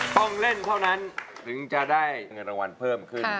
ต้องเล่นเท่านั้นถึงจะได้เงินรางวัลเพิ่มขึ้น